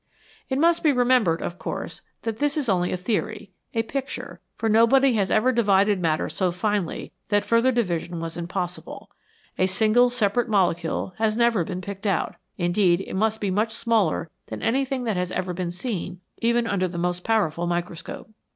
It must be remembered, of course, that this is only a theory, a picture, for nobody has ever divided matter so finely that further division was impossible ; a single separate molecule has never teen picked out ; indeed, it must be much smaller than anything that has ever been seen, even under the most powerful microscope.